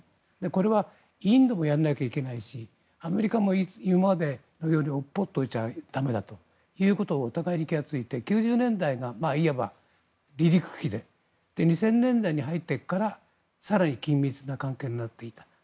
これはインドもやらなきゃいけないしアメリカも今までのように放っておいては駄目だとお互いに気がついて９０年代が、いわば離陸期で２０００年代に入ってから更に緊密な関係になっていた。